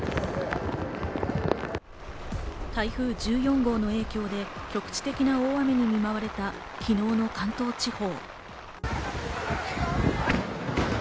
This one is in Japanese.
台風１４号の影響で局地的な大雨に見舞われた昨日の関東地方。